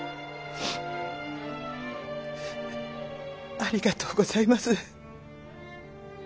ありがとうございます。